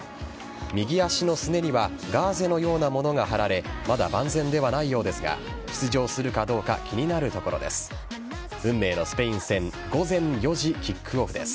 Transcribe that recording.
右足のすねにはカーゼのようなものが貼られまだ万全ではないようですが出場するかどうか気になるところです。